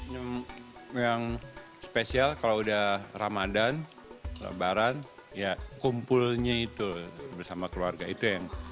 jadi yang spesial kalau udah ramadhan lebaran ya kumpulnya itu bersama keluarga itu yang